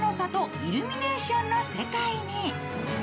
イルミネーションの世界に。